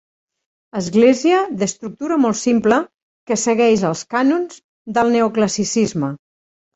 Església d'estructura molt simple que segueix els cànons del neoclassicisme.